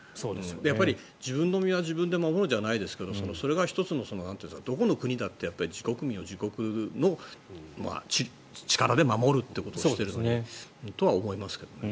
自分の身は自分で守るじゃないけどそれが１つのどこの国だって自国民を自国の力で守るということをしているのにとは思いますけど。